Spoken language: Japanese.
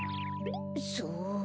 そう。